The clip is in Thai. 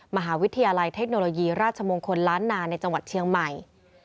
มหาวิทยาลัยเทคโนโลยีราชมงคลล้านนาในจังหวัดเชียงใหม่